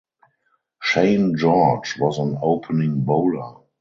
Shane George was an opening bowler.